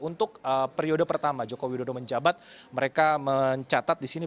untuk periode pertama joko widodo menjabat mereka mencatat disini